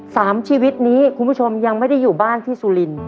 สามชีวิตนี้คุณผู้ชมยังไม่ได้อยู่บ้านที่สุริน